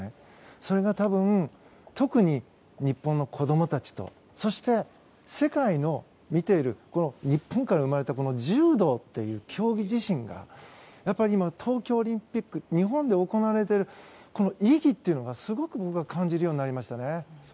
それが多分特に、日本の子供たちとそして世界の見ている日本から生まれた柔道という競技自身が東京オリンピックが日本で行われている意義というのがすごく僕は感じるようになりましたね。